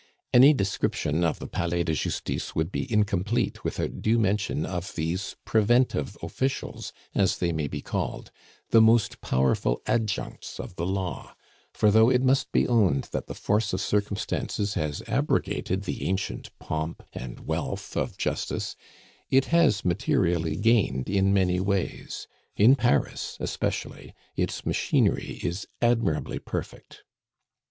Any description of the Palais de Justice would be incomplete without due mention of these preventive officials, as they may be called, the most powerful adjuncts of the law; for though it must be owned that the force of circumstances has abrogated the ancient pomp and wealth of justice, it has materially gained in many ways. In Paris especially its machinery is admirably perfect.